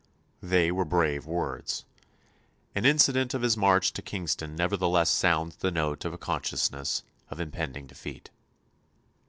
They were brave words. An incident of his march to Kingston nevertheless sounds the note of a consciousness of impending defeat.